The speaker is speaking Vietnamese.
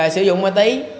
sử dụng ma túy